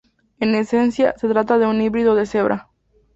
En esencia, se trata de un híbrido de cebra.